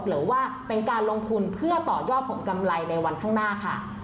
หรือว่าเป็นการลงทุนเพื่อต่อยอดผลกำไรในวันข้างหน้าค่ะ